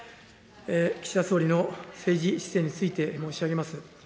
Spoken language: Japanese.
岸田総理の政治姿勢について申し上げます。